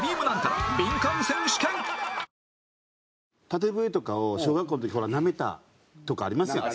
縦笛とかを小学校の時ほらなめたとかありますやん。